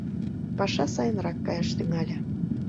Паша сайынрак каяш тӱҥале.